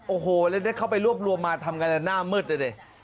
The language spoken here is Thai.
โอ้โหแล้วได้เข้าไปรวบรวมมาทำกันหน้ามืดเลยดิ